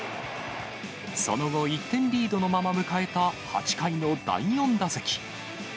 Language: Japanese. その後、１点リードのまま迎えた８回の第４打席。